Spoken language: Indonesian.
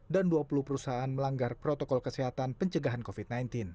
dan dua puluh perusahaan melanggar protokol kesehatan pencegahan covid sembilan belas